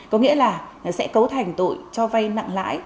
có nghĩa là sẽ cấu thành tội cho vay nặng lãi